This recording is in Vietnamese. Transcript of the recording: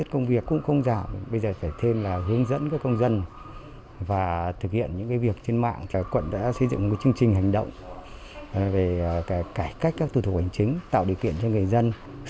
củng cố niềm tin của nhân dân